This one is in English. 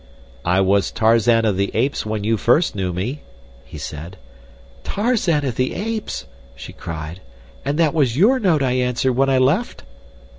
"I was Tarzan of the Apes when you first knew me," he said. "Tarzan of the Apes!" she cried—"and that was your note I answered when I left?"